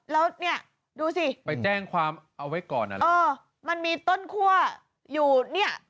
แล้วเนี่ยดูสิไปแจ้งความเอาไว้ก่อนอะไรเออมันมีต้นคั่วอยู่เนี่ย